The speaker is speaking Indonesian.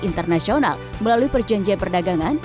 internasional melalui perjanjian perdagangan